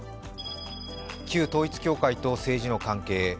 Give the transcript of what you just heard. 旧統一教会と政治の関係。